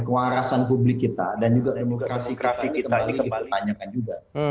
kewarasan publik kita dan juga demokrasi kita ini kembali dipertanyakan juga